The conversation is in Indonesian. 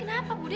budi kenapa budi